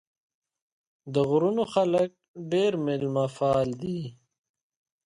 د غرونو خلک ډېر مېلمه پال دي.